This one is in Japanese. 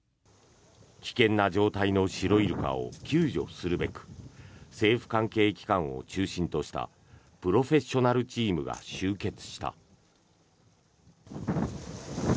危険な状態のシロイルカを救助するべく政府関係機関を中心としたプロフェッショナルチームが集結した。